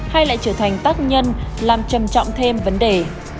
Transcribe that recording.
hay lại trở thành tác nhân làm trầm trọng thêm vấn đề